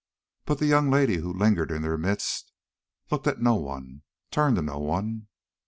But the young lady who lingered in their midst looked at no one, turned to no one.